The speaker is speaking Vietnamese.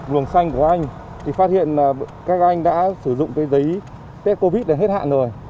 luồng xanh của anh thì phát hiện là các anh đã sử dụng cái giấy test covid để hết hạn rồi